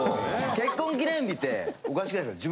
結婚記念日っておかしくないですか？